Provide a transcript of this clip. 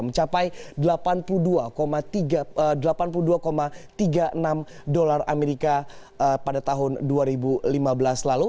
mencapai delapan puluh dua delapan puluh dua tiga puluh enam dolar amerika pada tahun dua ribu lima belas lalu